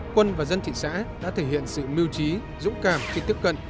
quân và dân thị xã đã thể hiện sự mưu trí dũng cảm khi tiếp cận